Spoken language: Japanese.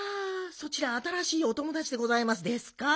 そちらあたらしいおともだちでございますですか？